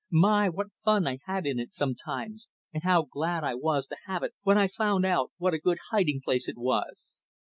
My! what fun I had in it sometimes, and how glad I was to have it when I found out what a good hiding place it was.